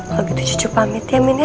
kalau gitu cucu pamit ya min ya